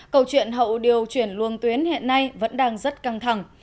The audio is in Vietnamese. câu chuyện hậu điều chuyển luồng tuyến hiện nay vẫn đang rất căng thẳng